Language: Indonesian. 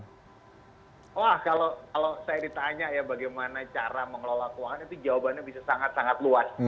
wah kalau saya ditanya ya bagaimana cara mengelola keuangan itu jawabannya bisa sangat sangat luas